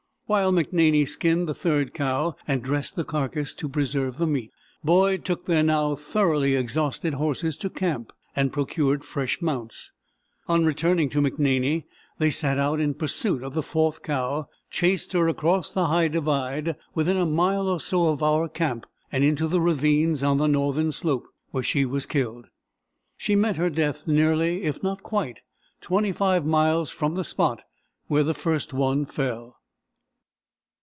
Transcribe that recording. While McNaney skinned the third cow and dressed the carcass to preserve the meat, Boyd took their now thoroughly exhausted horses to camp and procured fresh mounts. On returning to McNaney they set out in pursuit of the fourth cow, chased her across the High Divide, within a mile or so of our camp, and into the ravines on the northern slope, where she was killed. She met her death nearly if not quite 25 miles from the spot where the first one fell.